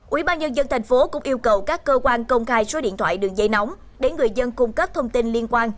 ubnd tp cũng yêu cầu các cơ quan công khai số điện thoại đường dây nóng để người dân cung cấp thông tin liên quan